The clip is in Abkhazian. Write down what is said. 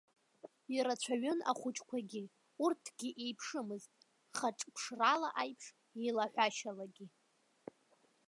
Ирацәаҩын ахәыҷқәагьы, урҭгьы еиԥшымызт, хаҿԥшрала аиԥш, еилаҳәашьалагьы.